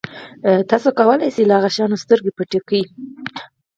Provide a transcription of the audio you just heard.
تاسو کولای شئ له هغه شیانو سترګې پټې کړئ.